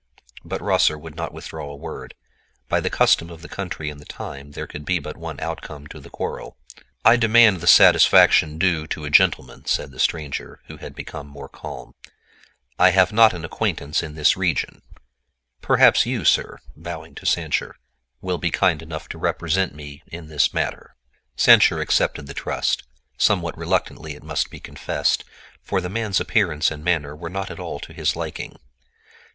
But Rosser would not withdraw a word. By the custom of the country and the time there could be but one outcome to the quarrel. "I demand the satisfaction due to a gentleman," said the stranger, who had become more calm. "I have not an acquaintance in this region. Perhaps you, sir," bowing to Sancher, "will be kind enough to represent me in this matter." Sancher accepted the trust—somewhat reluctantly it must be confessed, for the man's appearance and manner were not at all to his liking.